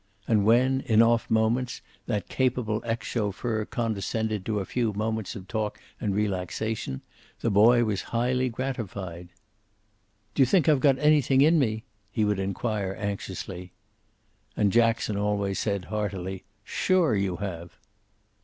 And when, in off moments, that capable ex chauffeur condescended to a few moments of talk and relaxation, the boy was highly gratified. "Do you think I've got anything in me?" he would inquire anxiously. And Jackson always said heartily, "Sure you have."